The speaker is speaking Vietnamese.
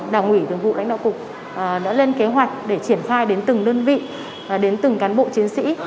đảng ủy thường vụ lãnh đạo cục đã lên kế hoạch để triển khai đến từng đơn vị đến từng cán bộ chiến sĩ